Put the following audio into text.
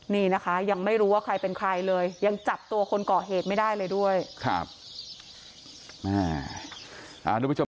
นี่นะคะยังไม่รู้ว่าใครเป็นใครเลยยังจับตัวคนก่อเหตุไม่ได้เลยด้วยครับ